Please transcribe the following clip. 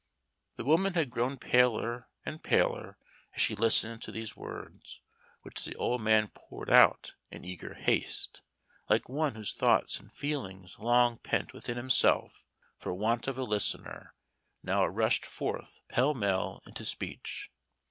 The woman had grown paler and paler as she listened to these words which the old man poured out in eager haste, like one whose thoughts and feelings long pent within himself for want of a listener now rushed forth pell mell into speech.